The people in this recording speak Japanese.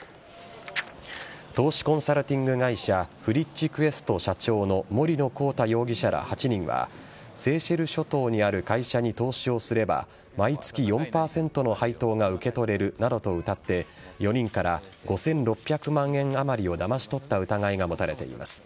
投資コンサルティング会社ＦＲｉｃｈＱｕｅｓｔ社長の森野広太容疑者ら８人はセーシェル諸島にある会社に投資をすれば毎月４％の配当が受け取れるなどとうたって５人から５６００万円あまりをだまし取った疑いが持たれています。